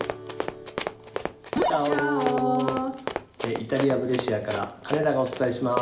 イタリア・ブレーシアから金田がお伝えします。